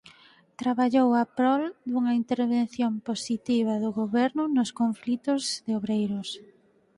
Traballou a prol dunha intervención positiva do goberno nos conflitos de obreiros.